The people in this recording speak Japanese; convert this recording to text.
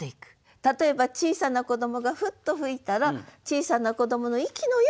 例えば小さな子どもがフッと吹いたら小さな子どもの息のようなかたちになる。